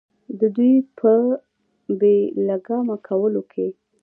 د دوي پۀ بې لګامه کولو کښې